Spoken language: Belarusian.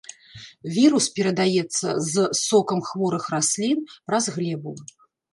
Вірус перадаецца з сокам хворых раслін, праз глебу.